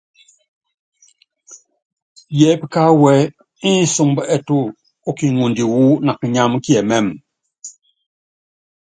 Yɛɛpí kááwu ɛ́ɛ́ ínsúmbɔ ɛtú, okiŋondi wú nakinyámú kiɛmɛ́ɛmɛ.